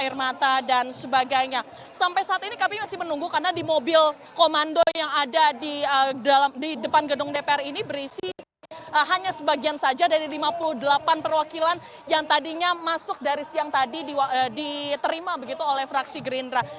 ini sampai saat ini aksi masih teres eskalasi begitu di depan gedung dpr masa sejenak masih beberapa